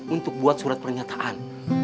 untuk buat surat pernyataan